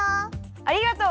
ありがとう。